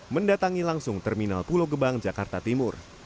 mendatangi langsung terminal pulau gebang jakarta timur